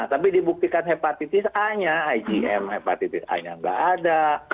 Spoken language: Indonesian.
tapi dibuktikan hepatitis a nya igm hepatitis a nya nggak ada